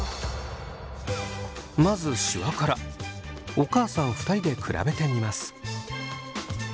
まずお母さん２人で比べてみます。